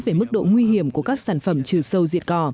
về mức độ nguy hiểm của các sản phẩm chứa sọc diệt cỏ